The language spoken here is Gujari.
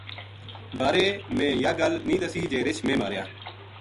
بارے میں یاہ گل نیہہ دسی جے رچھ میں ماریا